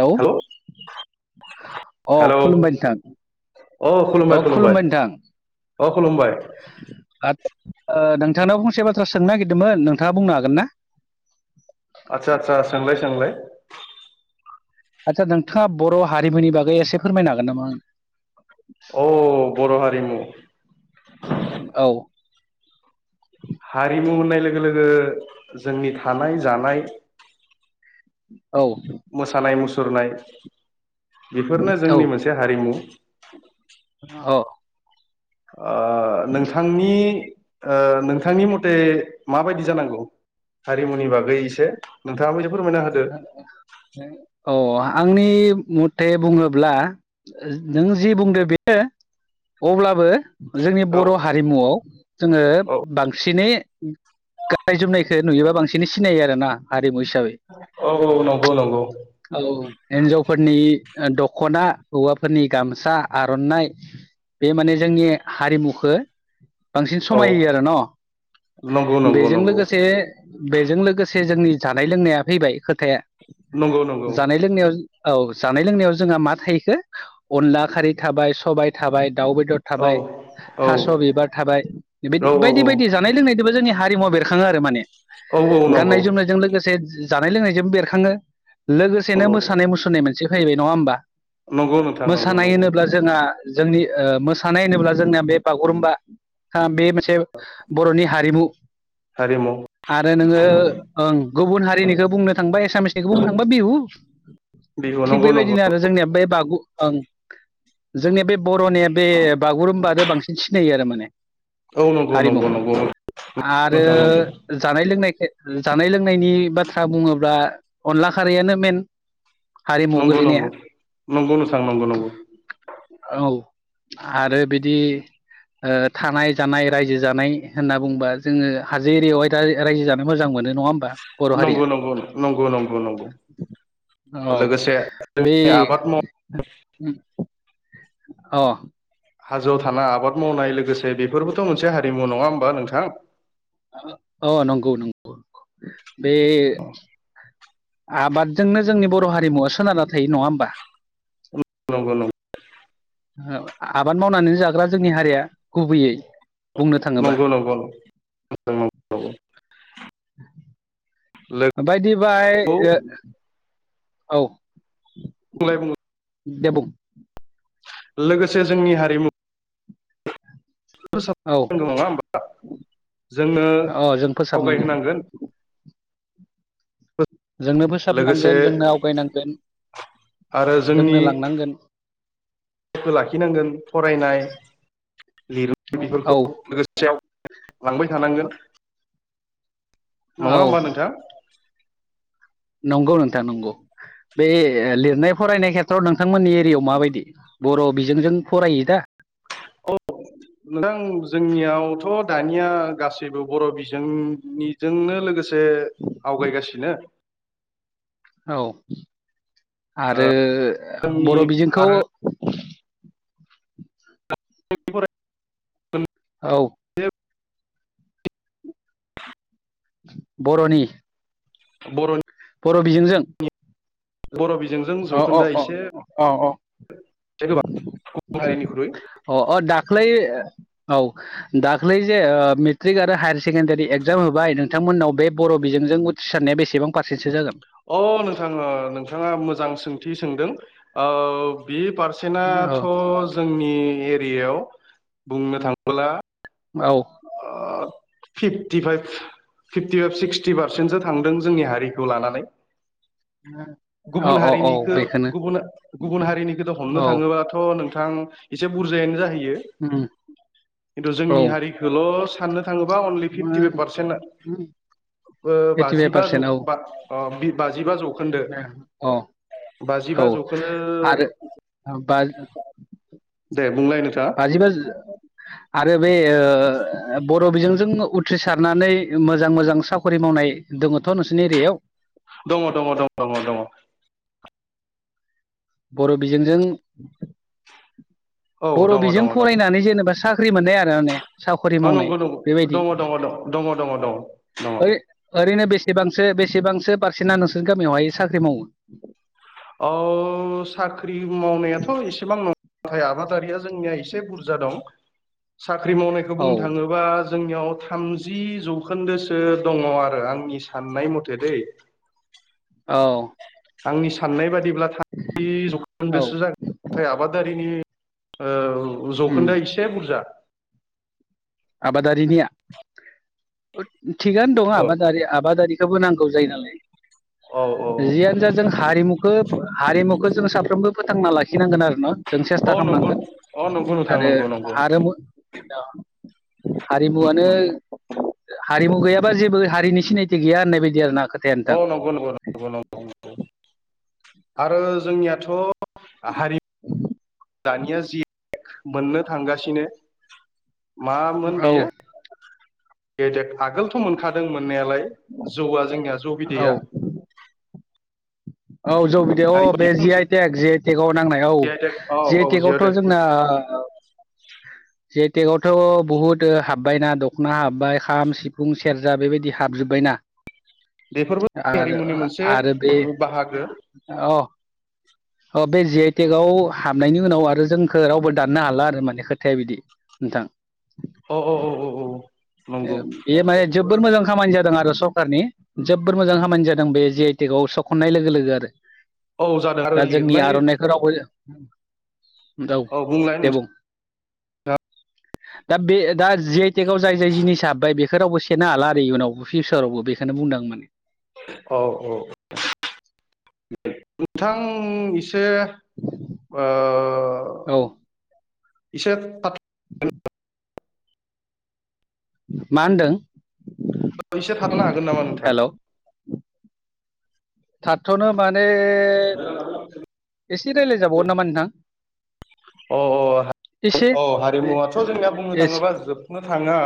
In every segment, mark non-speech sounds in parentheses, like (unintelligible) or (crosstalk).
Hello औ। अ खुलुमबाय नोंथां। औ खुलुमबाय नोंथां। अ खुलुमबाय नोंथांनाव फंसे बाथ्रा सोंनो नागिरदोंमोन नोंथाङा बुंनो हागोन ना? आतसा - आतसा सोंलाय - सोंलाय आदसा नोंथाङा बर' हारिमुनि बागै एसे फोरमायनो हागोन नामा? औ बर' हारिनि औ। हारिमु होननाय लोगो - लोगो जोंनि थानाय जानाय औ। मोसानाय मुसुरनाय बेफोरनो औ जोंनि मोनसे हारिमु। औ ओ नोंथांनि नोंथांनि मथे माबायदि जानांगौ? हारिमुनि बागै एसे नोंथाङा औ। आंनि मथे बुङोब्ला नों जि बुंदो बेयो अब्लाबो जोंनि औ बर' हारिमुआव जोङो औ बांसिनै गाननाय जोमनायखौ नुयोबा बांसिनै सिनायो आरो ना हारिमु हिसाबै। औ - औ नगौ नंगौ। औ हिन्जावफोरनि दख'ना हौवाफोरनि गामसा, आर'नाइ। बे माने जोंनि हारिमुखौ बांसिन औ समाय आरो नंगौ न' नंगौ बेजों नंगौ लोगोसे बेजों लोगोसे जोंनि जानाय लोंनाया फैबाय खोथाया नंगौ नंगौ। जानाय लोंनायाव औ जानाय - लोंनायाव जोंहा मा थाहैखो अनला खारै थाबाय सबाय थाबाय दाउ बेदर औ थाबाय थास' औ बिबार थाबाय बेबायदि औ बायदि बायदि औ जानाय लोंनायजोंबो जोंनि हारिमुवा बेरखाङो आरो माने औ नंगौ नंगौ गाननाय जोमनायजों लोगोसे जानाय लोंनायजोंबो बेरखाङो लोगोसेनो मोसानाय मुसुरनाय मोनसे फैबाय नङा होमबा? नंगौ नोंथां नंगौ मोसानाय नंगौ होनोब्ला जोंहा जोंनि मोसानाय होनोब्ला जोंनिया बे बागुरुम्बा बे मोनसे बर'नि हारिमु। हारिमु आरो नोङो ओं गुबुन हारिनिखौ बुंनो थांबा एसामिसनिखौ बुं बिहु बिहु थिग नंगौ नंगौ बेबायदिनो आरो जोंनिया बे बागु जोंनिया बे बर'निया बे बागुरुम्ब आरो बांसिन सिनायो आरो माने औ नंगौ नंगौ हारिमुखौ नंगौ आरो नोंथां जानाय लोंनायखो जानाय लोंनायनि बाथ्रा बुङोब्ला अनला खारैआनो मेन हारिमुआव नंगौ गोलैनाया नंगौ नंगौ नोंथां नंगौ नंगौ औ आरो बिदि ओ थानाय जानाय रायजो जानाय होनना बुंबा जोङो हाजो एरियावहाय दा रायजो जानो मोजां मोनो नङा होमबा बर' हारिया नंगौ नंगौ नंगौ नंगौ नंगौ औ लोगोसे बे जोंनि आबाद माव अ हाजोआव थानाय आबाद मावनाय लोगोसे बेफोरबोथ' मोनसे हारिमु नङा होमबा नोंथां! अ नंगौ नंगौ बे आबादजोंनो जोंनि बर' हारिमुवा सोनारना थायो नङा होमबा? नंगौ नंगौ आबाद मावनानै जाग्रा जोंनि हारिया गुबैयै बुंनो थाङोबा नंगौ नंगौ नंगौ नंगौ ओ बायदि बाहाय औ बुंलाय बुं दे बुं लोगोसे जोंनि हारिमु औ (unintelligible) जोंनो अ जों आवगाय फोसाबनांगौ होनांगोन। जोंनो लोगोसे फोसाबनांगोन जोंनो आवगायनांगोन आरो जोंनो जोंनि लांनांगोन (unintelligible) लाखिनांगोन फरायनाय लिरो औ बेफोरखौ लोगोसेआव लांबाय थानांगोन नङा औ होमबा नोंथा? नंगौ नोंथां नंगौ बे लिरनाय फरायनाय खेथ्रआव नोंथांमोननि एरियाव माबादि बर' बिजोंजों फरायो दा? जोंथ' दानिया गासैबो बर' बिजोंनिजोंनो लोगोसे आवगायगासिनो (inaudible) औ आरो जोंनि बर' बिजोंखौ (inaudible) औ बर'नि बर'नि बर' बिजोंजों बर' बि अ अ अ अ औ गोबां हारिनिख्रुइ अ अ दाखलै औ दाख्लै जे मेट्रिक आरो हायार सेकेण्डारि एक्जाम होबाय नोंथांमोननाव बे बर' बिजों उथ्रिसारनायासेबां फारसेन्टसो जागोन अ नोंथां नोंथाङा मोजां सोंथि सोंदों ओ बे औ पारसेन्टथ' जोंनि एरियायाव बुंनो थाङोब्ला औ फिफ्टिफाइभ फिफ्टिफाइभ सिक्सटि पारसेन्टसो थांदों जोंनि हारिखौ लानानै। औ गुबुन औ औ हारिनिखौ बेखौनो गुबुन गुबुन हारिनिखौथ' हमनो औ थाङोबाथ' नों थां इसे बुरजायानो जाहैयो उम खिन्थु औ जोंनि हारिखौल' साननो थाङोबा अनलि फिफ्टिफाइभ पारसेन्टआ ओइटिफाइभ बाजिबा जौ पारसेन्ट औ बा बाजिबा जौ अ औ जौखोन्दो आरो बा दे बुंलाय बाजिबा नोथाङा आरो बे ओ ब र बिजोंजों उथ्रिसारनानै मोजां मोजां साकरि मावनाय दङथ' नोंसिनि एरियायाव दङ दङ दङ दङ दङ बर' बिजोंजों औ बर' दङ बिजों दङ दङ फरायनानै जेनेबा साख्रि मोननाय आरो माने साख'रि मावनाय नंगौ नंगौ बेबायदि दङ दङ दङ दङ दङ दङ ओरै ओरैनो बेसेबां सो बेसेबांसो पारसेटना नोंसोरनि गामियावहाय साख्रि मावो? अ साख्रि मावनायाथ' एसेबां (unintelligible) थाय आबादारिया जोंनिया इसे बुरजा दं। साख्रि मावनायखौ औ बुंनो थाङोबा जोंनियाव थामजि जौखोन्दोसो दङ आरो आंनि साननाय मथे दै औ आंनि साननाय बादिब्ला (unintelligible) औ जौखोन्दोसो जागोन नाथाय आबादारिनि औ उम जौखोन्दोआ इसे बुरजा आबादारिनिया थिगानो दं आबादारि आबादारि खौनो नांगौ जायो नालाय औ औ जियानो जा जों हारिमुखो हारिमुखौ जोङो साफ्रोमबो फोथांना लाखिनांगोन आरो मा जों औ सेस्था नंगौ खामनांगोन अ नंगौ नोंथां आरो नंगौ नंगौ आरो (unintelligible) हारिमुवानो हारिमु गैयाबा जेबो हारिनि सिनायथि गैया होननाय बायदि आरोना। औ नंगौ नंगौ नंगौ नंगौ आरो जोंनियाथ' हारि (inaudible) दानिया जि (unintelligible) मोननो थांगासिनो मामोन औ बेयो गेदेत आगोलथ' मोनखादोंमोन मोननायालाय जौआ जोंनिया जौ औ बिदैया औ जौ बिदे अ बे जि मोनसे आइ टेक जि आइटेकआव नांनाय औ जि आइ टेक औ जि आइ औ टेकआवथ' टेक जोंना (inaudible) जि आइ टेक आवथ' बहुद हाबबायना दख'ना हाबबाय खाम सिफुं सेरजा बेबायदि हाबजोब्बायना। बेफोरबो आरो हारिमुनि ओ मोनसे आरो बे बाहागो अ अ बे जि आइ टेक आव हाबनायनि उनाव आरो जोंखो रावबो दाननो हाला आरो माने खोथाया बिदि। नोंथां अ औ अ अ औ ए नंगौ बे माने जोबोर मोजां खामानि जादों आरो सरकारनि जोब्बोर मोजां खामानि जादों बे जि आइ टेक आव सखननाय लोगो लोगो आरो औ जादों आरो दा जोंनि लिरनाय आर'नाइखौ रावबो दौ औ बुंलाय दे नों बुं (inaudible) दा बे दा जि आइ टेकआव जाय जाय जिनिसा हाबबाय बेखौ रावबो सेनो हाला आरो इयुनावबो फिउचारावबो बेखोनो बुंदां माने। औ औ (unintelligible) नोंथां से ओ औ (unintelligible) मा होनदों? एसे थाथ'नो हागोन नामा नोंथां? हेल' थाथ'नो मा (unintelligible) एसे रायलाय जाबावगोन नामा नोंथां? अ अ एसे अ हारिमुवाथ' जोंनिया बुंनो थाङोबा जोबनो थाङा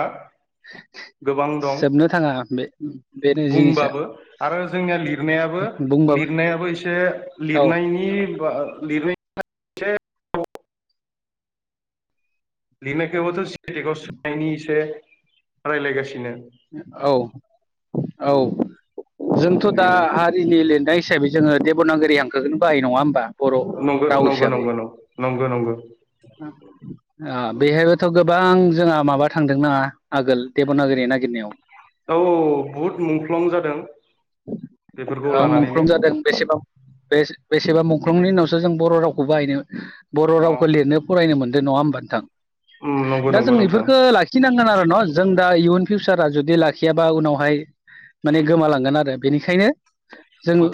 (inaudible) गोबां दं जोबनो थाङा बे बेनो जिनिसा बुंबाबो आरो जोंनिया लिरनायाबो बो बुंबाबो लिरनायाबो इसे औ लिरनायनि (inaudible) लिरनायखोबोथ' (inaudible) सोनायनि एसे रायलायगासिनो औ औ जोंथ' दा बिनो हारिनि लिरनाय हिसाबै जोङो देबनागिरि हांखोखोनो बाहायो नङा होम बा बर'खौ नंगौ राव नंगौ हिसाबै नंगौ नंगौ नंगौ नंगौ ओ बेहायबोथ' (inaudible) बां जोंहा माबा थांदों नोङा आगोल देबनागिरि ना औ बुहुद मुंख्लं जादों बेफोरखौ ओ लानानैनो मुंख्लं जादों बेसे बां बे-बेसेबा मुंख्लंनि उनावसो जों बर' रावखौ बाहायनो बर' अ रावखौ लिरनो फरायनो मोनदो नवा होमबा नोथां उम नंगौ दा नंगौ जों नोंथां इफोरखो लाखिनांगोन आरो न' जों दा इयुन फिउसारा जुदि लाखियाबा उनावहाय माने गोमालांगोन आरो बेनिखायनो जों अ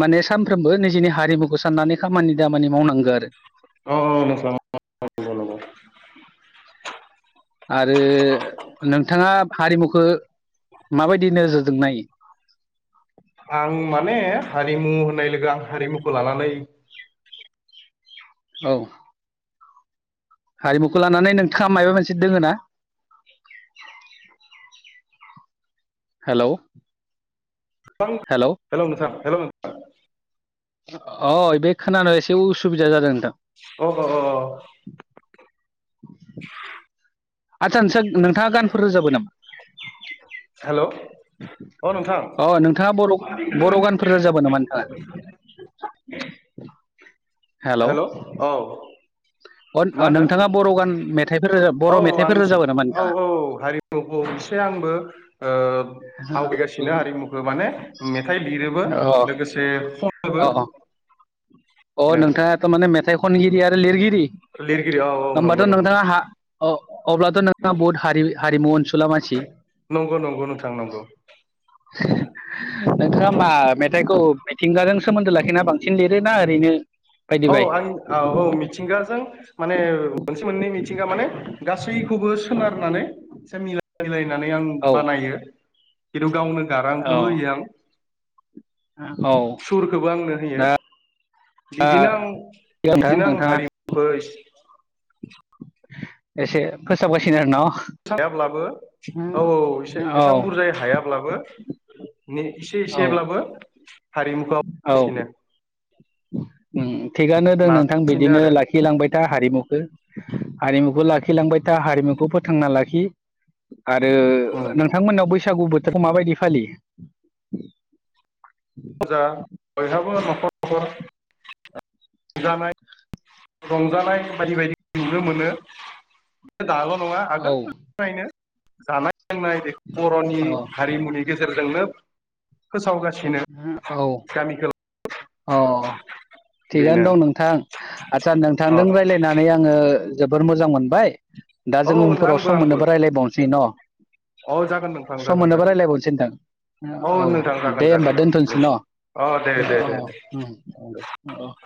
माने सामफ्रोमबो निजिनि हारिमुखौ साननानै खामानि दामानि मावनांगो आरो अ (inaudible) आरो नोंथाङा हारिमुखो माबायदि नोजोरजों नायो आं माने हारिमु होननाय लोगो आं हारिमुखो लानानै औ हारिमुखो लानानै नोंथाङा मायबा मोनसे दोङो ना हेलौ (unintelligible) हेलौ नोंथां (inaudible) अ एबे खोनानायाव एसे उसुबिदा जादो नोंथां अ अ (inaudible) आदसा नोसा नोंथाङा गानफोर रोजाबो नामा हेलौ अ नोंथां (inaudible) अ नोंथाङा बर' बर' गानफोर रोजाबो नामा नोंथाङा (inaudible) हेलौ हेल' औ अ ओ मा होनदों नोंथाङा बर' गान मेथाइफोर रोजाब औ बर' आं मेथाइफोर रोजाबो नामा औ नोंथाङा औ हारिमुखौ एसे आंबो ओ अ आवगायगासिनो हारिमुखो माने मेथाइ लिरोबो लोगोसे खनोबो अ अ नोंथाङाथ' माने मेथाइ खनगिरि आरो लिरगिरि लिरगिरि औ औ नंगौ होमबाथ' नंगौ नोंथाङा हा ओ अब्लाथ' नोंथाङा बहुत हारि हारिमु अनसुला मानसि नंगौ नंगौ नोंथां नंगौ (inaudible) नोंथाङा होमबा मेथाइखौ मिथिंगाजों सोमोन्दो लाखिना बांसिन लिरोना ओरैनो बायदि औ बाय आं औ औ मिथिंगाजों माने मोनसे मोननै मिथिंगा माने गासैखौबो सोनारनानै एसे मिलायलाय नानै आं औ बानायो (unintelligible) गावनो औ गारांखोबो होयो आं औ सुरखोबो आंनो होयो दा बिदिनो आं नोंथां बिदिनो आं नोंथाङा हारि (inaudible) एसे फोसाबगासिनो आरो न' हायाब्लाबो औ औ एसे एसां औ बुरजायै हायाब्लाबो ने एसे औ एसेब्लाबो हारिमुखौ (unintelligible) उम उम थिगानो। ओं नोंथां नाजागासिनो बिदिनो आरो लाखिलांबाय था हारिमुखो हारिमुखो ला खिलांबाय था हारिमुखौ फोथांना लाखि आरो नोंथांमोनाव बै सागु बोथोरखो माबायदि फालियो? जा बयहाबो न'खर न'खर रंजानाय रंजानाय बायदि बायदि नुनो मोनो दाल' नङा औ आगोलनिफ्रायनो। जानाय लोंनाय बर'नि औ हारिमुनि गेजेरजोंनो फोसावगासिनो औ। गामि गोलाव अ थिगानो बेनो दं नोंथां आचसा अ नोंथांजों रायज्लायनानै आङो जोबोर मोजां मोनबाय दा औ जों उनफोराव आंबो सम आंबो मोनोबा रायज्लायबावनोसै न। औ जागोन नोंथां सम जागोन मोनोबा जागोन जागोन रायलायबावनसै नोंथां। औ नोंथां जागोन दे होमबा जागोन दोनथ'नोसै न' औ अ दे दे दे औ। उम दे औ।